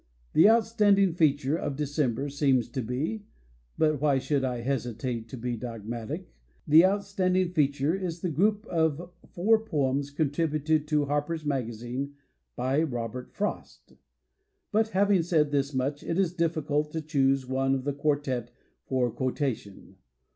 The outstanding feature of Decem ber seems to be — ^but why should I hesitate to be dogmatic? — ^the out standing feature is the group of four poems contributed to "Harper's Maga zine" by Robert Frost. But having said this much, it is difficult to choose one of the quartet for quotation.